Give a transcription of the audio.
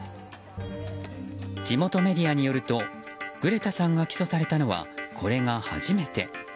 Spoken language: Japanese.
地元メディアによるとグレタさんが起訴されたのはこれが初めて。